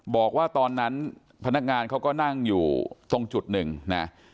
บอกว่าตอนนั้นพนักงานเขาก็นั่งอยู่ตรงจุดหนึ่งนะ